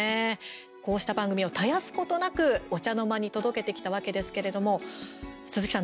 こうした番組を絶やすことなくお茶の間に届けてきたわけですけれども、鈴木さん